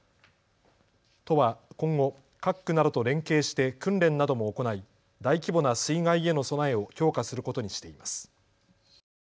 都は今後、各区などと連携して訓練なども行い大規模な水害への備えを強化することにしています。